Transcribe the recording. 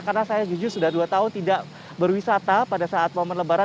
karena saya jujur sudah dua tahun tidak berwisata pada saat momen lebaran